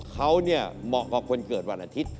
เขาเหมาะกับคนเกิดวันอาทิตย์